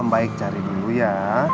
mbaik cari dulu ya